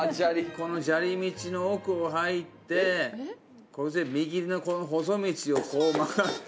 この砂利道の奥を入って右のこの細道をこう曲がって。